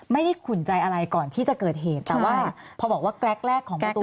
ขุนใจอะไรก่อนที่จะเกิดเหตุแต่ว่าพอบอกว่าแกรกแรกของประตู